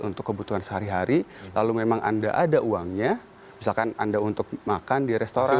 untuk kebutuhan sehari hari lalu memang anda ada uangnya misalkan anda untuk makan di restoran